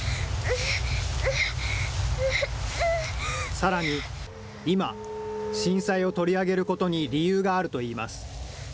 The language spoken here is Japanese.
さらに、今、震災を取り上げることに理由があるといいます。